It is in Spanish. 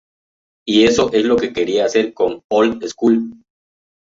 Y eso es lo que quería hacer con Old Skool".